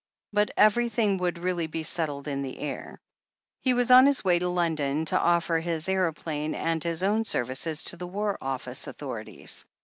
But everything would really be settled in the air. He was on his way to London to offer his aeroplane and his own services to the War Office Authorities.